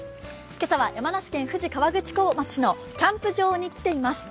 今朝は山梨県富士河口湖町のキャンプ場に来ています。